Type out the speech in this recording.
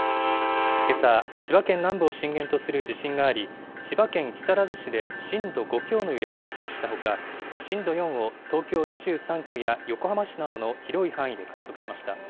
けさ、千葉県南部を震源とする地震があり、千葉県木更津市で震度５強の揺れを観測したほか、震度４を東京２３区や、横浜市などの広い範囲で観測しました。